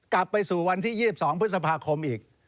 กลับไปสู่วันที่๒๒พฤษภาคมอีก